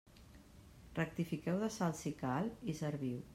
Rectifiqueu de sal si cal i serviu.